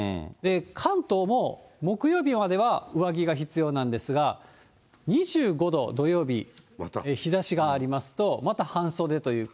関東も木曜日までは上着が必要なんですが、２５度、土曜日、日ざしがありますと、また半袖という。